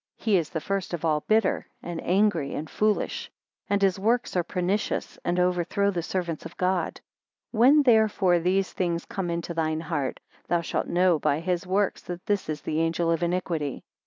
He is first of all bitter, and angry, and foolish; and his works are pernicious, and overthrow the servants of God. When therefore these things come into thine heart; thou shalt know by his works, that this is the angel of iniquity.